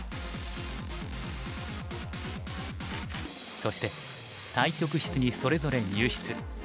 そして対局室にそれぞれ入室。